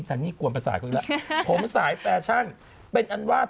ฟรรณีเขาบอกว่าประเด็นเนี้ย